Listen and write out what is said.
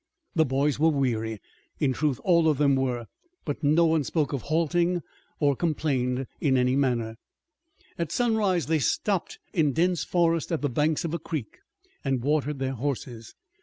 The boys were weary. In truth, all of them were, but no one spoke of halting or complained in any manner. At sunrise they stopped in dense forest at the banks of a creek, and watered their horses.